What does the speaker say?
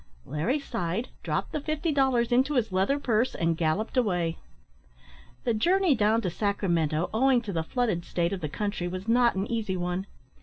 Larry sighed, dropped the fifty dollars into his leather purse, and galloped away. The journey down to Sacramento, owing to the flooded state of the country, was not an easy one.